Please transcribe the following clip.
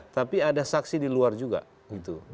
tapi ada saksi di luar juga gitu